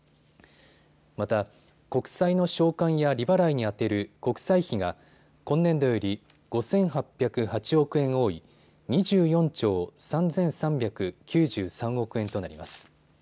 また国債の償還や利払いに充てる国債費が今年度より５８０８億円多い２４兆３３９３億円となります。